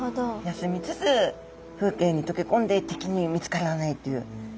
休みつつ風景にとけこんで敵に見つからないという。